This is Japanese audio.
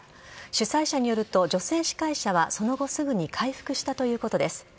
主催者によると、女性司会者はその後すぐに回復したということです。